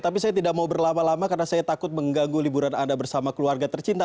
tapi saya tidak mau berlama lama karena saya takut mengganggu liburan anda bersama keluarga tercinta